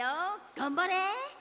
がんばれ！